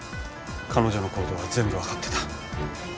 彼女の行動は全部わかってた。